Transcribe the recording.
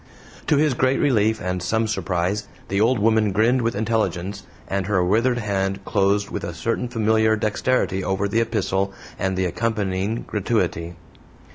To his great relief and some surprise the old woman grinned with intelligence, and her withered hand closed with a certain familiar dexterity over the epistle and the accompanying gratuity.